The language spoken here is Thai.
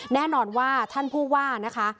แน่นอนว่าท่านผู้ว่านะคะ